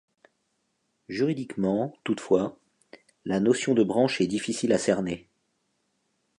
Juridiquement, toutefois, la notion de branche est difficile à cerner.